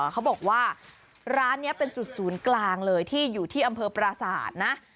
เขาบอกว่าร้านนี้เป็นจุดศูนย์กลางเลยที่อยู่ที่อำเภอปราศาสตร์นะ